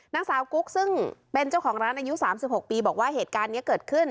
นางสาวกุ๊กซึ่งเป็นเจ้าของร้านอายุ๓๖ปีบอกว่าเหตุการณ์นี้เกิดขึ้น